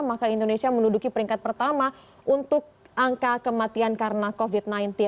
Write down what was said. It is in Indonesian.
maka indonesia menduduki peringkat pertama untuk angka kematian karena covid sembilan belas